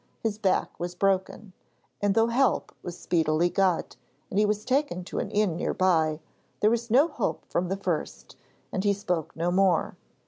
His back was broken; and though help was speedily got and he was taken to an inn near by, there was no hope from the first, and he spoke no more.